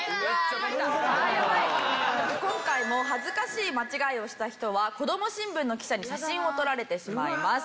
今回も恥ずかしい間違いをした人はこども新聞の記者に写真を撮られてしまいます。